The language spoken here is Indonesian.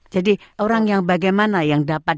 jadi orang yang bagaimana yang dapat